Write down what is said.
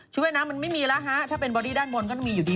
ว่ายน้ำมันไม่มีแล้วฮะถ้าเป็นบอดี้ด้านบนก็ต้องมีอยู่ดี